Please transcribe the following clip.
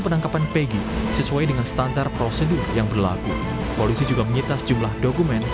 penangkapan pegi sesuai dengan standar prosedur yang berlaku polisi juga menyita sejumlah dokumen